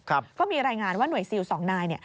ก็มีรายงานว่าหน่วยซิลสองนาย